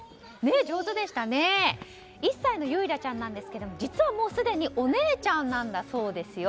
上手でしたね１歳の結咲ちゃんなんですが実は、すでにお姉ちゃんなんだそうですよ。